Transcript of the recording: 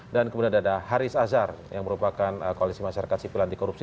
dan kemudian ada haris azhar yang merupakan koalisi masyarakat sipil anti korupsi